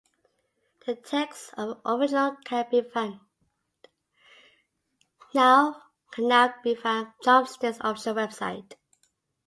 The text of the original can now be found on Chomsky's official website.